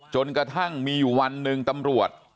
จนกระทั่งมีอยู่วันหนึ่งตำรวจ